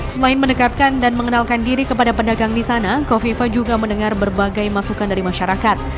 selain mendekatkan dan mengenalkan diri kepada pedagang di sana kofifa juga mendengar berbagai masukan dari masyarakat